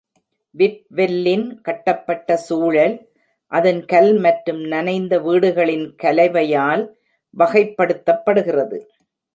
விட்வெல்லின் கட்டப்பட்ட சூழல் அதன் கல் மற்றும் நனைந்த வீடுகளின் கலவையால் வகைப்படுத்தப்படுகிறது.